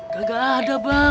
kagak ada bang